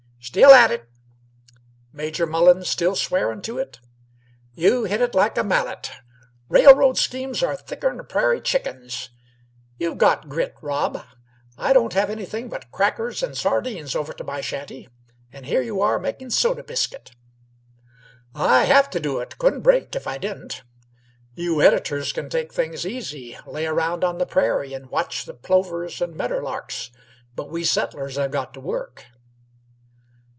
"Still at it." "Major Mullens still swearin' to it?" "You hit it like a mallet. Railroad schemes are thicker 'n prairie chickens. You've got grit, Rob. I don't have anything but crackers and sardines over to my shanty, and here you are making soda biscuit." "I have t' do it. Couldn't break if I didn't. You editors c'n take things easy, lay around on the prairie, and watch the plovers and medderlarks; but we settlers have got to work."